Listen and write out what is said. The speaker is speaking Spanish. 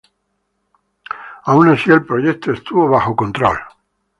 Aun así, el proyecto estuvo puesto encima control.